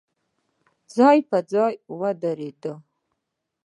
ځای په ځای ودرېد.